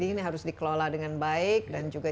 ini harus dikelola dengan baik dan juga